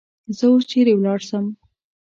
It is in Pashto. زه اوس چیری ولاړسم؟